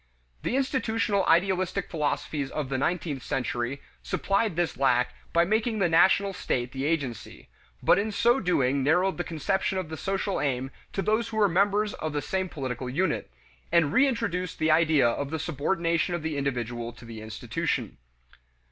The institutional idealistic philosophies of the nineteenth century supplied this lack by making the national state the agency, but in so doing narrowed the conception of the social aim to those who were members of the same political unit, and reintroduced the idea of the subordination of the individual to the institution.